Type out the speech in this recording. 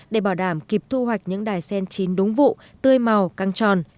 để bảo đảm kịp thu hoạch những đài sen chín đúng vụ tươi màu căng tròn